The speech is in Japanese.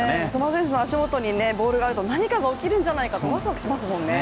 三笘選手の足元にボールがあると何かが起きるんじゃないかとワクワクしますもんね。